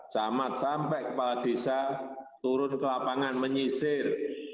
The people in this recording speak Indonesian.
camat sampai kepala desa turun ke lapangan menyisir